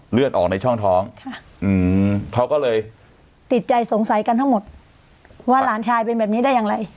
ครับอืมเขาก็เลยติดใจสงสัยกันทั้งหมดว่าหลานชายเป็นแบบนี้ได้อย่างไร